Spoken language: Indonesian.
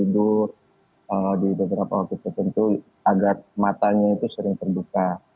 tidur di beberapa waktu tertentu agar matanya itu sering terbuka